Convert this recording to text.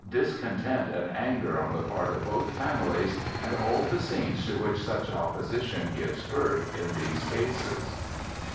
Discontent and anger on the part of both families, and all the scenes to which such opposition gives birth in these cases".